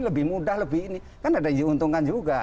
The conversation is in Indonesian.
lebih mudah lebih ini kan ada yang diuntungkan juga